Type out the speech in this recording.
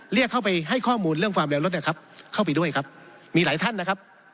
เรียกเข้าไปให้ข้อมูลเรื่องความเร็วรถนะครับเข้าไปด้วยครับมีหลายท่านนะครับ